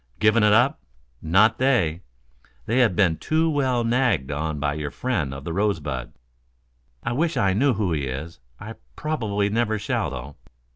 "Given it up? Not they. They have been too well nagged on by your friend of the Rosebud. I wish I knew who he is. I probably never shall, though."